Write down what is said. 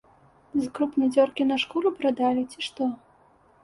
З крупадзёркі на шкуру прадалі, ці што?